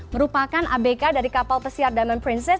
merupakan abk dari kapal pesiar diamond princess